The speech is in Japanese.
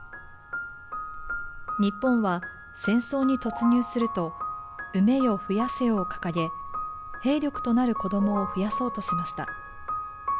日本は戦争に突入すると、「産めよ殖やせよ」を掲げ兵力となる子供を増やそうとしました。